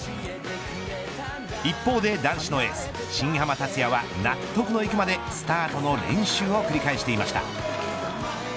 一方で男子のエース新濱立也は納得のいくまでスタートの練習を繰り返していました。